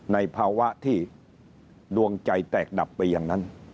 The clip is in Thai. ในภาวะที่ดวงใจแตกดับไปอย่างนั้น